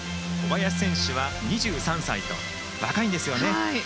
小林選手は２３歳と若いんですね。